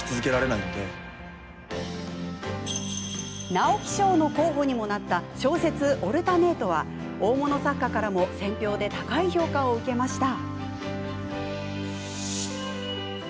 直木賞の候補にもなった小説「オルタネート」は大物作家からも選評で高い評価を受けました。